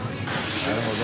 なるほど。